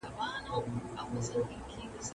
هغې په خپله وړه خوله کې یو خوږ تبسم درلود.